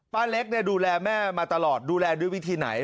ป้าเล็กเนี่ยดูแลแม่มาตลอดดูแลโดยวิธีไหน